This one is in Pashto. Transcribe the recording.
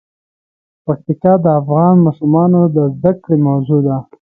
پکتیکا د افغان ماشومانو د زده کړې موضوع ده.